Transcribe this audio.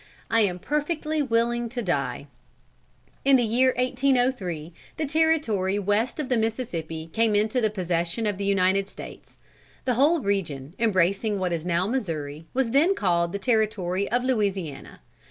I am perfectly willing to die." In the year 1803, the territory west of the Mississippi came into the possession of the United States. The whole region, embracing what is now Missouri, was then called the territory of Louisiana.